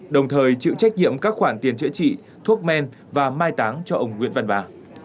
đồng thời chịu trách nhiệm các khoản tiền chữa trị thuốc men và mai táng cho ông nguyễn văn bà